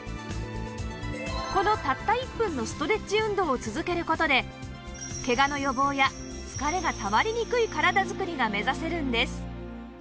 このたった１分のストレッチ運動を続ける事でケガの予防や疲れがたまりにくい体づくりが目指せるんです